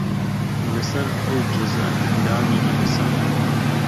لەسەر ئەو جوزئە ئەندامی ئینسان